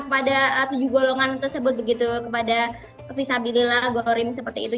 kepada tujuh golongan tersebut kepada visabililah gorim seperti itu